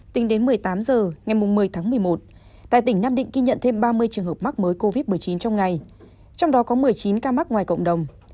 tính đến một mươi tám h ngày một mươi tháng một mươi một tại tỉnh nam định ghi nhận thêm ba mươi trường hợp mắc mới covid một mươi chín trong ngày trong đó có một mươi chín ca mắc ngoài cộng đồng